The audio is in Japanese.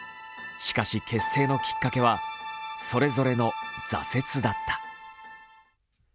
しかし、結成のきっかけはそれぞれの挫折だった。